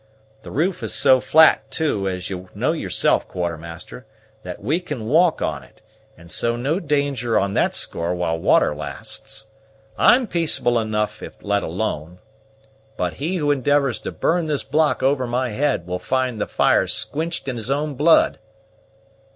The roof is so flat, too, as you know yourself, Quartermaster, that we can walk on it, and so no danger on that score while water lasts. I'm peaceable enough if let alone; but he who endivors to burn this block over my head will find the fire squinched in his own blood."